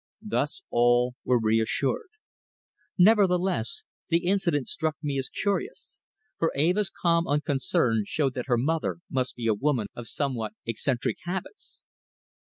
Thus all were reassured. Nevertheless, the incident struck me as curious, for Eva's calm unconcern showed that her mother must be a woman of somewhat eccentric habits.